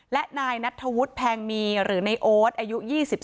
และนายนัทธวุฒิแพงมีหรือในโอ๊ตอายุ๒๓